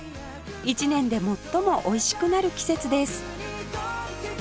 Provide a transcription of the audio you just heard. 一年で最も美味しくなる季節です